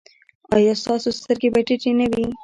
ایا ستاسو سترګې به ټیټې نه وي؟